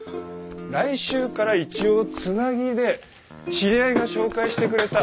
来週から一応つなぎで知り合いが紹介してくれた弁当配達手伝う予定。